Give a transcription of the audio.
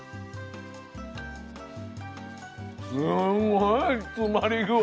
すんごい詰まり具合。